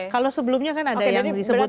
kalau sebelumnya kan ada yang disebut